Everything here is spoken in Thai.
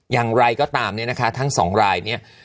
อย่างไรก็ตามทั้ง๒ราย